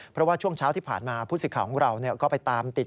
เพราะว่าช่วงเช้าที่ผ่านมาผู้สิทธิ์ของเราก็ไปตามติด